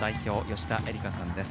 吉田絵里架さんです。